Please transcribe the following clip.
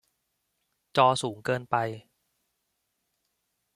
จอสูงเกินไป